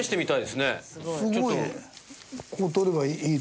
すごいね。